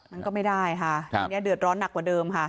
มันก็ไม่ได้ค่ะอันนี้เดือดร้อนหนักกว่าเดิมค่ะ